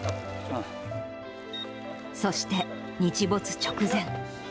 そして日没直前。